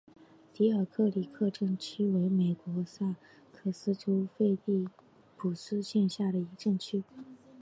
迪尔克里克镇区为美国堪萨斯州菲利普斯县辖下的镇区。